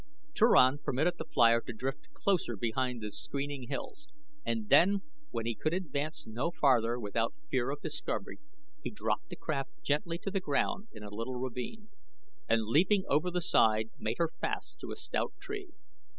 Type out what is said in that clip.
Turan permitted the flier to drift closer behind the screening hills, and then when he could advance no farther without fear of discovery, he dropped the craft gently to ground in a little ravine, and leaping over the side made her fast to a stout tree.